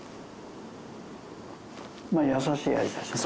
まあ優しい味だしなあ。